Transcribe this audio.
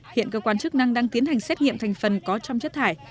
hiện cơ quan chức năng đang tiến hành xét nghiệm thành phần có trong chất thải